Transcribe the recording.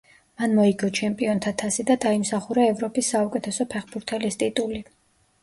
მან მოიგო ჩემპიონთა თასი და დაიმსახურა ევროპის საუკეთესო ფეხბურთელის ტიტული.